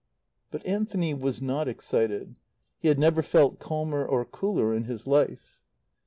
But Anthony was not excited. He had never felt calmer or cooler in his life.